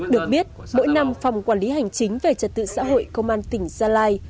được biết mỗi năm phòng quản lý hành chính về trật tự xã hội công an tỉnh gia lai